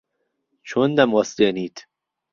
چۆن دەموەستێنیت؟